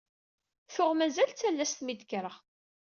Tuɣ mazal d tallast mi d-kkreɣ.